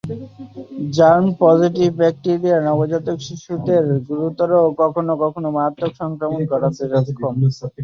Gram-positive bacteria নবজাতক শিশুদের গুরুতর এবং কখনো কখনো মারাত্মক সংক্রমণ ঘটাতে সক্ষম।